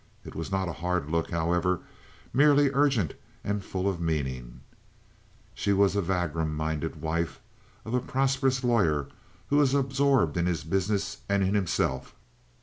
It was not a hard look, however, merely urgent and full of meaning. She was the vagrom minded wife of a prosperous lawyer who was absorbed in his business and in himself.